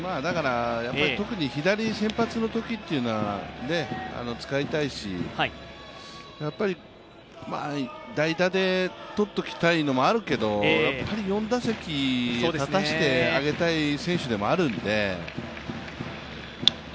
特に左先発のときというのは使いたいし、代打でとっときたいのもあるけど４打席立たせてあげたい選手でもあるんで。